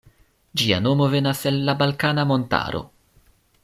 Ĝia nomo venas el la Balkana Montaro.